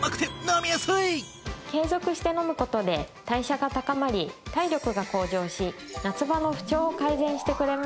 継続して飲む事で代謝が高まり体力が向上し夏場の不調を改善してくれます。